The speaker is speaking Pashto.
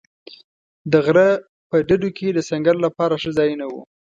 د غره په ډډو کې د سنګر لپاره ښه ځایونه و.